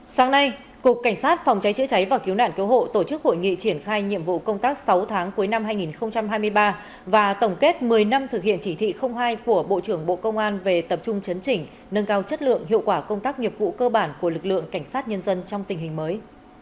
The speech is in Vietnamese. sáng nay cục cảnh sát phòng cháy chữa cháy và cứu nạn cứu hộ tổ chức hội nghị triển khai nhiệm vụ công tác sáu tháng cuối năm hai nghìn hai mươi ba và tổng kết một mươi năm thực hiện chỉ thị hai của bộ trưởng bộ công an về tập trung chấn chỉnh nâng cao chất lượng hiệu quả công tác nghiệp vụ cơ bản của lực lượng cảnh sát nhân dân trong tình hình mới